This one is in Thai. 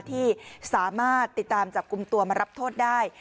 ที่สามารถติดตามจับกลุ่มตัวมารับโทษได้